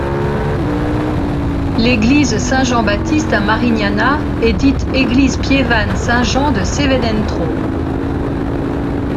L'église Saint Jean-Baptiste à Marignana est dite église piévane Saint Jean de Sevenentro.